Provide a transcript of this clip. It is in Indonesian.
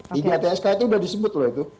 tiga tsk itu udah disebut lho itu